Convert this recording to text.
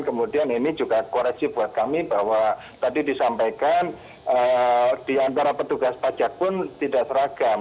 kemudian ini juga koreksi buat kami bahwa tadi disampaikan di antara petugas pajak pun tidak seragam